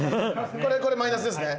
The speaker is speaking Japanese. これこれマイナスですね。